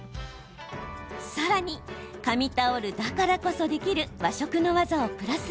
さらに紙タオルだからこそできる和食の技をプラス。